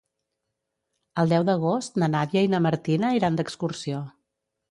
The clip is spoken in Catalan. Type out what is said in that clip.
El deu d'agost na Nàdia i na Martina iran d'excursió.